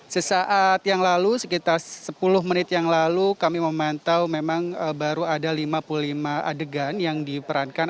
sesaat yang lalu sekitar sepuluh menit yang lalu kami memantau memang baru ada lima puluh lima adegan yang diperankan